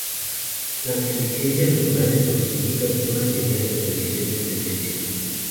Las Divergencias Regulares nos indican una señal de reversión de tendencia.